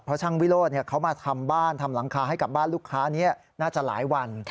เพราะช่างวิโรธเขามาทำบ้านทำหลังคาให้กับบ้านลูกค้านี้น่าจะหลายวัน